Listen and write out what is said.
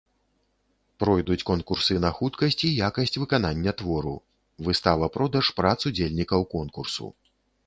Пройдуць конкурсы на хуткасць і якасць выканання твору, выстава-продаж прац удзельнікаў конкурсу.